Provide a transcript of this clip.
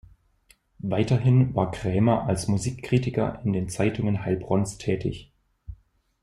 Weiterhin war Krämer als Musikkritiker in den Zeitungen Heilbronns tätig.